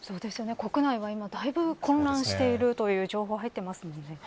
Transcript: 国内は今だいぶ混乱しているという情報が入っています。